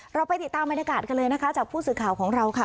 เราไปติดตามบรรยากาศกันเลยนะคะจากผู้สื่อข่าวของเราค่ะ